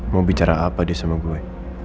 mau bicara apa dia sama gue